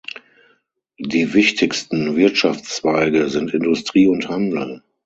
Die wichtigsten Wirtschaftszweige sind Industrie und Handel.